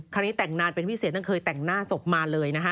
นี้แต่งนานเป็นพิเศษทั้งเคยแต่งหน้าศพมาเลยนะฮะ